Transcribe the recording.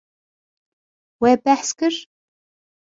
We behs kir.